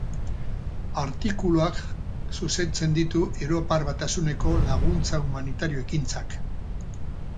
Artikuluak zuzentzen ditu Europar Batasuneko laguntza humanitario-ekintzak.